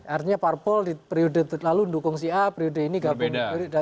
artinya parpol di periode lalu mendukung si a periode ini gabung